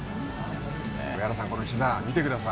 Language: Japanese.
上原さん、このひざ見てください。